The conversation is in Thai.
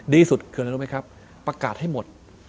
ดีสุดคืออะไรรู้ไหมครับประกาศให้หมด